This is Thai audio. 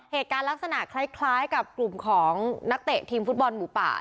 เหตุการณ์ลักษณะคล้ายกับกลุ่มของนักเตะทีมฟุตบอลหมูป่า